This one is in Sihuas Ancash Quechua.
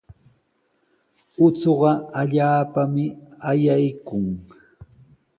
Uchuqa allaapami ayaykun.